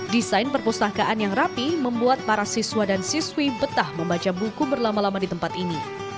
desain perpustakaan yang rapi membuat para siswa dan siswi betah membaca buku berlama lama di tempat ini